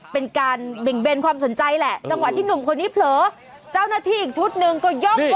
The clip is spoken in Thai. ไปชาร์จมาช่วยเหลือนี่แหละค่ะ